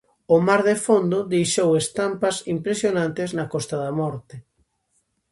O mar de fondo deixou estampas impresionantes na Costa da Morte.